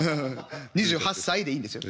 「２８歳」でいいんですよ。